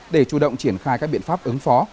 để chủ động triển khai các biện pháp ứng phó